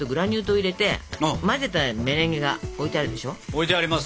置いてあります。